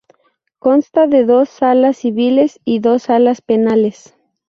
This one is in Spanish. Consta de dos Salas Civiles y dos Salas Penales.